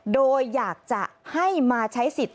โดยอยากจะให้มาใช้สิทธิ์